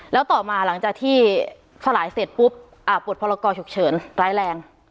แล้วต่อมาหลังจากที่สลายเสร็จปุ๊บบทพรกรฉุกเฉินร้ายแรง